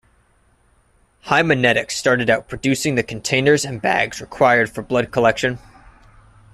Haemonetics started out producing the containers and bags required for blood collection.